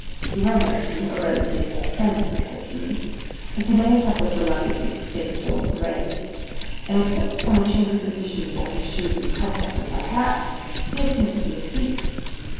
He was, I presume, a relative or friend of the coachman's, as he lay a top of the luggage with his face towards the rain; and except when a change of position brought his shoes in contact with my hat, he appeared to be asleep.